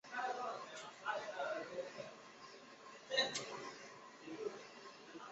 张路寮又掌路寮。